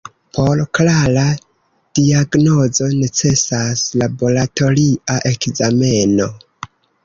Por klara diagnozo necesas laboratoria ekzameno.